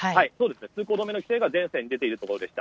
通行止めの規制が全線に出ているということでした。